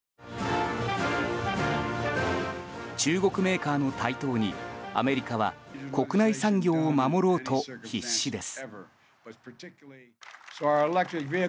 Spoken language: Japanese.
中国メーカーの台頭にアメリカは国内産業を守ろうと必死です。